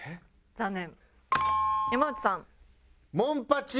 残念！